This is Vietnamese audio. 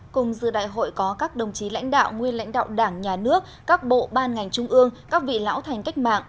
cùng dự đại hội có các đồng chí lãnh đạo nguyên lãnh đạo đảng nhà nước các bộ ban ngành trung ương các vị lão thành cách mạng